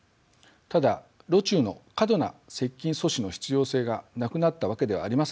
ただロ中の過度な接近阻止の必要性がなくなったわけではありませんでした。